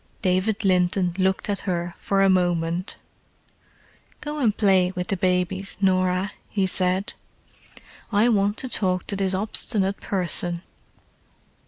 David Linton looked at her for a moment. "Go and play with the babies, Norah," he said. "I want to talk to this obstinate person."